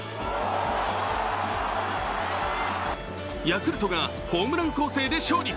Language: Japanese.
ヤクルトがホームラン攻勢で勝利。